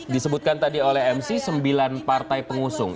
disebutkan tadi oleh mc sembilan partai pengusung